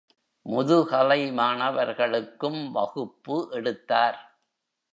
முதுகலை மாணவர்களுக்கும் வகுப்பு எடுத்தார்.